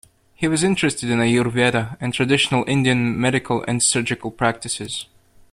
He was interested in Ayurveda and traditional Indian medical and surgical practices.